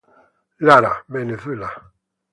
Lara, Venezuela.